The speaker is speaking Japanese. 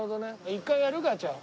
一回やるかじゃあ。